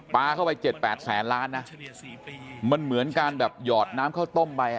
ปลาเข้าไป๗๘แสนล้านนะมันเหมือนการแบบหยอดน้ำข้าวต้มไป